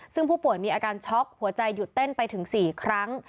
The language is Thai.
ซึ่งผู้ป่วยมีอาการช็อกหัวใจหยุดเต้นไปถึง๔ครั้ง